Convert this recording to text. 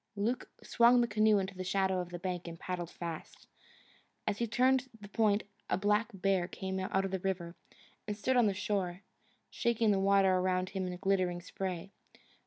Luke swung the canoe into the shadow of the bank and paddled fast. As he turned the point a black bear came out of the river, and stood on the shore, shaking the water around him in glittering spray.